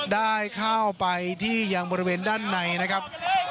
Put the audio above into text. ได้เข้าไปที่ยังบริเวณด้านในนะครับ